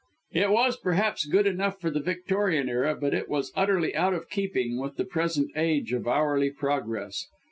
It was, perhaps, good enough for the Victorian era, but it was utterly out of keeping with the present age of hourly progress.